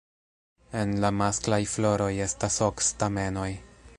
En la masklaj floroj estas ok stamenoj.